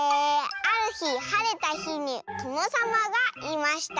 「あるひはれたひにとのさまがいました」。